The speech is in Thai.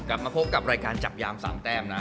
กลับมาพบกับรายการจับยาม๓แต้มนะ